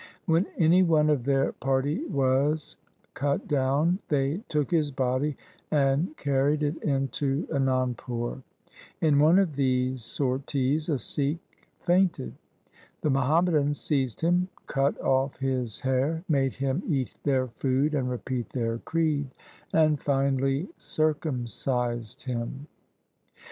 When any one of their party was cut down, they took his body and carried it into Anandpur. In one of these sorties a Sikh fainted. The Muhammadans seized him, cut off his hair, made him eat their food and repeat their creed, and finally circumcised him.